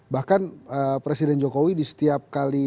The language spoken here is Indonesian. bahkan presiden jokowi di setiap kali